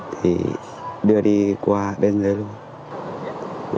thì đưa đi qua bên dưới luôn